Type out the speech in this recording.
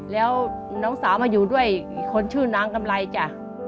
แล้วน้องสาวมาอยู่ด้วยอีกคนชื่อนางกำไรจ้ะ